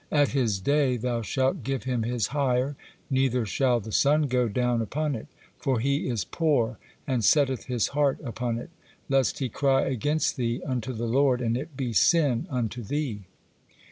At his day thou shalt give him his hire, neither shall the sun go down upon it; for he is poor, and setteth his heart upon it: lest he cry against thee unto the Lord, and it be sin unto thee.